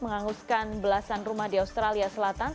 menghanguskan belasan rumah di australia selatan